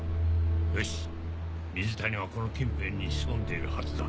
よし水谷はこの近辺に潜んでいるはずだ。